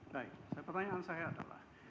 baik pertanyaan saya adalah